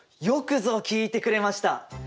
よくぞ聞いてくれました！